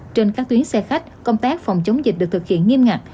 trên các tuyến xe khách công tác phòng chống dịch được thực hiện nghiêm ngặt